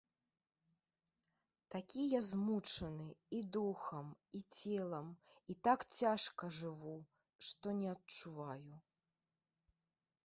Такі я змучаны і духам і целам і так цяжка жыву, што не адчуваю.